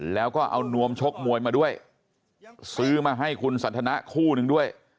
แล้วก็เอานวมชกมวยมาด้วยซื้อมาให้คุณสันทนะคู่หนึ่งด้วย